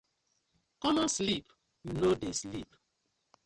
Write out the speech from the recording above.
Common sleep yu no dey sleep.